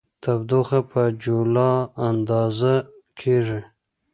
تودوخه په جولا اندازه کېږي.